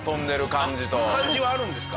感じはあるんですか？